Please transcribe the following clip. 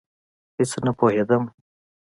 هېڅ نه پوهېدم.